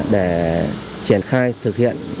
để triển khai thực hiện